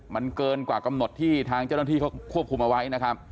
มันเกินกว่ากำหนดที่ทางเจ้าหน้าที่เขาควบคุมเอาไว้นะครับ